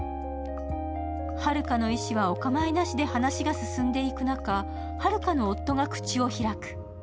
榛花の意思はお構いなしで話が進んでいく中、榛花の夫が口を開く。